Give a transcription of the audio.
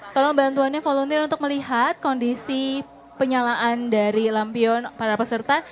tolong bantuannya volunteer untuk melihat kondisi penyalaan dari lampion para peserta